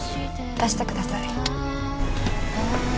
出してください。